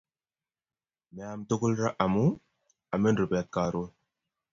Meaam tugul raa, amu amin rubet karoon